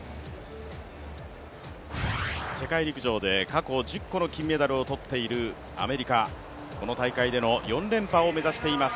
世界陸上で過去１０個の金メダルを取っているアメリカ、この大会での４連覇を目指しています。